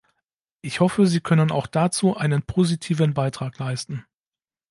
Ich hoffe, Sie können auch dazu einen positiven Beitrag leisten.